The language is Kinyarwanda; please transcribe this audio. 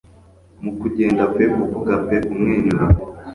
Mu kugenda pe kuvuga pe kumwenyura pe